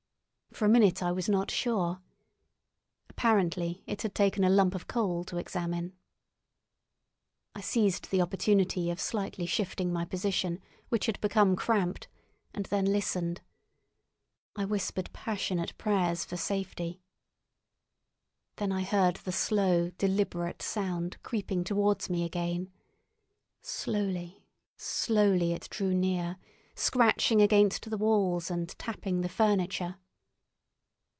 For a minute I was not sure. Apparently it had taken a lump of coal to examine. I seized the opportunity of slightly shifting my position, which had become cramped, and then listened. I whispered passionate prayers for safety. Then I heard the slow, deliberate sound creeping towards me again. Slowly, slowly it drew near, scratching against the walls and tapping the furniture.